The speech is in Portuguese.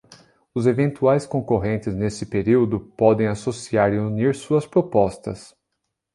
Os eventuais concorrentes, nesse período, podem associar e unir suas propostas.